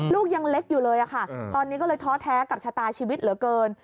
ลูกยังเล็กอยู่เลยค่ะตอนนี้ก็เลยท้อแท้กับชะตาชีวิตเหลือเกิน